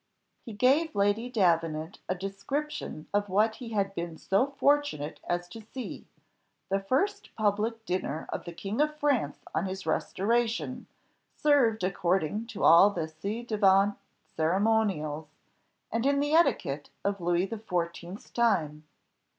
He gave Lady Davenant a description of what he had been so fortunate as to see the first public dinner of the king of France on his restoration, served according to all the ci devant ceremonials, and in the etiquette of Louis the Fourteenth's time.